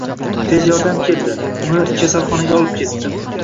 Tez yordam keldi uni kasalxonaga olib ketdi.